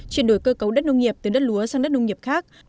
chuyển đổi cơ cấu đất nông nghiệp từ đất lúa sang đất nông nghiệp khác